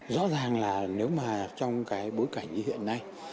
rõ ràng là nếu mà trong cái bối cảnh như hiện nay